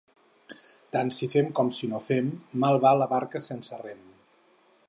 Tant si fem com si no fem, mal va la barca sense rem.